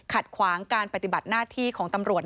ขวางการปฏิบัติหน้าที่ของตำรวจ